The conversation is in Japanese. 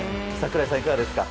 櫻井さん、いかがですか？